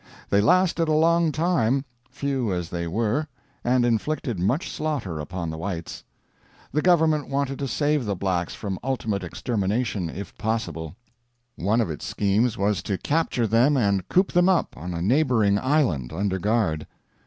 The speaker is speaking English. They lasted a long time, few as they were, and inflicted much slaughter upon the Whites. The Government wanted to save the Blacks from ultimate extermination, if possible. One of its schemes was to capture them and coop them up, on a neighboring island, under guard.